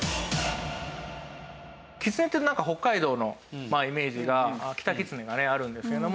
キツネってなんか北海道のイメージがキタキツネがねあるんですけれども。